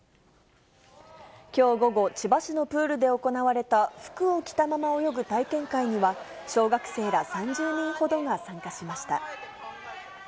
きょう午後、千葉市のプールで行われた服を着たまま泳ぐ体験会には、小学生ら３０人ほどが参加しました。